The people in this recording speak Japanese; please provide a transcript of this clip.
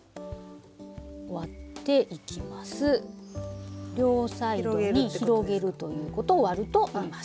そして両サイドに広げるということを「割る」といいます。